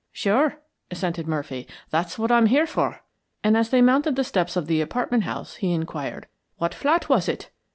"Sure," assented Murphy. "That's what I'm here for," and as they mounted the steps of the apartment house, he inquired, "What flat was it?"